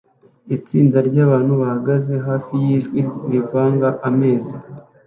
Itsinda ryabantu bahagaze hafi yijwi rivanga ameza